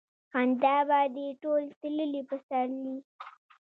خندا به دې ټول تللي پسرلي